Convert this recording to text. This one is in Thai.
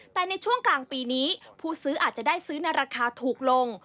แต่ในช่วงกลางปีนี้ผู้ซื้ออาจจะได้ซื้อในราคาถูกลง